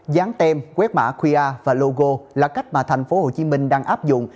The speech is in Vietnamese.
dán tem quét mã qr và logo là cách mà thành phố hồ chí minh đang áp dụng